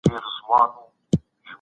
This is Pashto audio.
کمپيوټر ټيوي آنلاين ښيي.